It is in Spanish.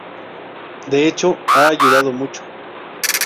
De hecho, ha ayudado mucho.